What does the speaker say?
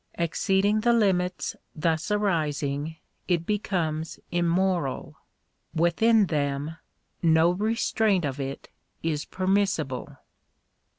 Exceeding the limits thus arising, it becomes immoral. Within them, no restraint of it is permissible.